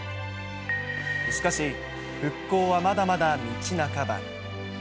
しかし、復興はまだまだ道半ば。